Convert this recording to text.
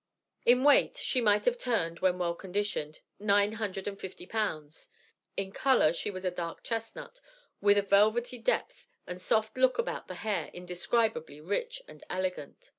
"In weight she might have turned, when well conditioned, nine hundred and fifty pounds. In color she was a dark chestnut, with a velvety depth and soft look about the hair indescribably rich and elegant.